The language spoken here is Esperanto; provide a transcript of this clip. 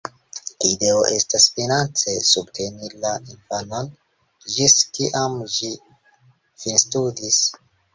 Ideo estas finance subteni la infanon ĝis kiam ĝi finstudis.